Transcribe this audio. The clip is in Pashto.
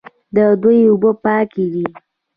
د دوی اوبه پاکې دي.